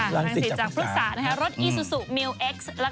รังสิจากพฤษารถอีซูซูมิวเอ็กซ์